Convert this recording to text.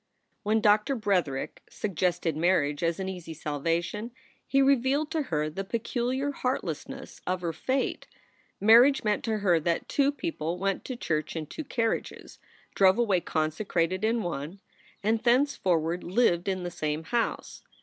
When Doctor Bretherick suggested marriage as an easy salvation, he revealed to her the peculiar heartlessness of her fate. Marriage meant to her that two people went to church in two carriages, drove away consecrated in one, and thenceforward lived in the same house.